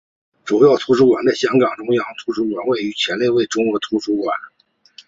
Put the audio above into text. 主要图书馆在香港中央图书馆未成立前称为中央图书馆。